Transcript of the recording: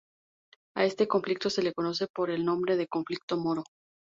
A este conflicto se le conoce por el nombre de conflicto Moro.